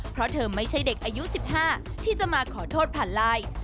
เพราะเธอไม่ใช่เด็กอายุ๑๕ที่จะมาขอโทษผ่านไลน์